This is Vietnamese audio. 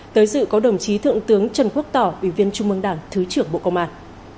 tới dự có đồng chí thượng tướng trần quốc tỏ ủy viên trung mương đảng thứ trưởng bộ công an